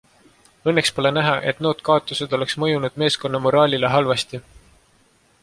Õnneks pole näha, et nood kaotused oleks mõjunud meeskonna moraalile halvasti.